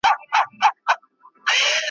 هم ښکرونه هم یې پښې پکښی لیدلې .